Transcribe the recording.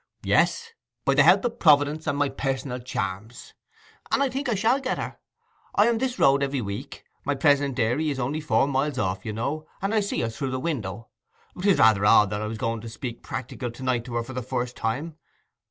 'Yes, by the help of Providence and my personal charms. And I think I shall get her. I am this road every week—my present dairy is only four miles off, you know, and I see her through the window. 'Tis rather odd that I was going to speak practical to night to her for the first time.